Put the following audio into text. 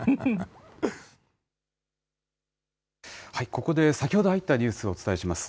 ここで先ほど入ったニュースをお伝えします。